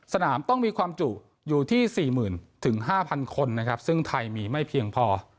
สนามต้องมีความจุอยู่ที่๔๐๐๐๕๐๐คนนะครับซึ่งไทยมีไม่เพียงพอ